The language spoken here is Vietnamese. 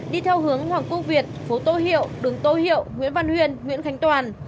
đi theo hướng hoàng quốc việt phố tô hiệu đường tô hiệu nguyễn văn huyên nguyễn khánh toàn